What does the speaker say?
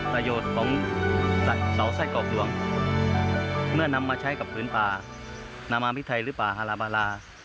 ประโยชน์ของเสาไส้กรอกหลวงเมื่อนำมาใช้กับพื้นป่านามาพิไทยหรือป่าฮาลาบารา